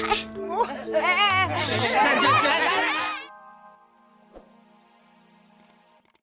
kalau udah mau an itu udah jalan kok